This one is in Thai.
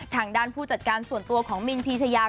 ทางด้านผู้จัดการส่วนตัวของมินพีชยา